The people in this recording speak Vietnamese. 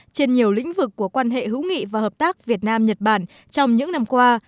trên nhiều lĩnh vực của quan hệ hữu nghị và hợp tác việt nam nhật bản trong những năm qua